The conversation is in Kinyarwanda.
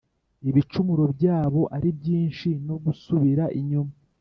Ibicumuro byabo ari byinshi no gusubira inyuma